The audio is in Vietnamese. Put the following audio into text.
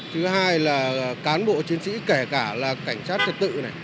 thứ hai là cán bộ chiến sĩ kể cả là cảnh sát trật tự này